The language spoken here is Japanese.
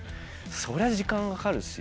そりゃ時間かかるし。